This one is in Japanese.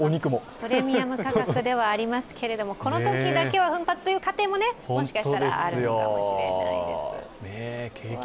プレミアム価格ではありますけれどもこのときだけは奮発という家庭ももしかしたらあるかもしれないです。